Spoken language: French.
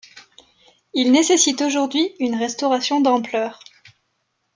Il nécessite aujourd’hui une restauration d’ampleur.